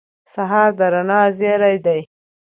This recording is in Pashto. سهار د رڼا زېری دی.